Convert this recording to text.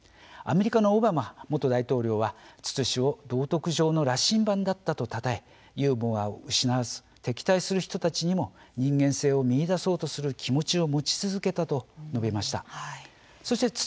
アメリカのオバマ元大統領はツツ氏は道徳上の羅針盤だったとたたえユーモアを失わず敵対する人たちの人間性を見いだそうとする気持ちを持ち続けたと述べました。